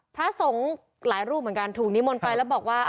พระสงฆ์หลายรูปเหมือนกันถูกนิมนต์ไปแล้วบอกว่า